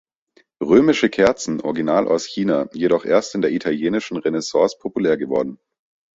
Römische Kerzen original aus China, jedoch erst in der italienischen Renaissance populär geworden.